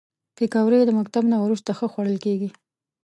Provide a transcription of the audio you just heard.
پکورې د مکتب نه وروسته ښه خوړل کېږي